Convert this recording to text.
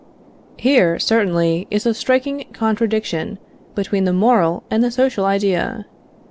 Here, certainly, is a striking contradiction between the moral and the social idea.